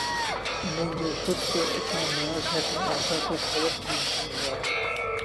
انہیں جو خود پر اتنا ناز ہے تو ایسا کچھ غلط بھی نہیں غالب